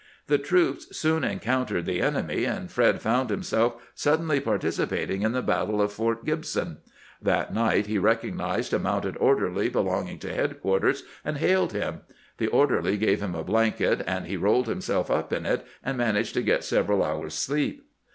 The troops soon encountered the enemy, and Fred found himself suddenly participating in the battle of Port Gib son. That night he recognized a mounted orderly be longing to headquarters, and haUed him. The orderly gave him a blanket, and he rolled himself up in it and managed to get several hours' sleep.